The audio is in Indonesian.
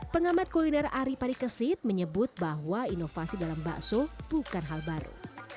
pengamat kuliner ari parikesit menyebut bahwa inovasi dalam bakso bukan hal baru